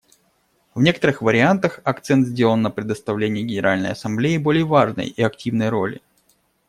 В некоторых вариантах акцент сделан на предоставлении Генеральной Ассамблее более важной и активной роли.